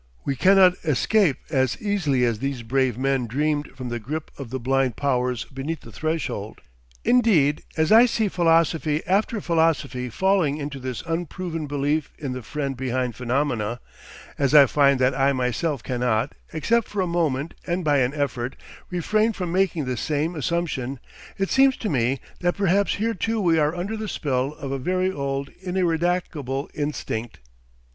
We cannot escape as easily as these brave men dreamed from the grip of the blind powers beneath the threshold. Indeed, as I see philosophy after philosophy falling into this unproven belief in the Friend behind phenomena, as I find that I myself cannot, except for a moment and by an effort, refrain from making the same assumption, it seems to me that perhaps here too we are under the spell of a very old ineradicable instinct.